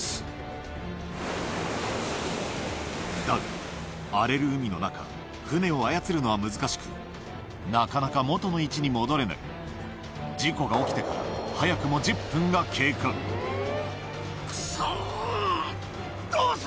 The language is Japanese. だが荒れる海の中船を操るのは難しくなかなか元の位置に戻れない事故が起きてから早くもクッソ！